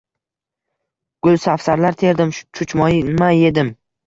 Gulsafsarlar terdim, chuchmoma yedim.